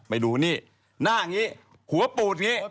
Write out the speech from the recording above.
ไปดูนี่หน้าอย่างนี้หัวปูดอย่างนี้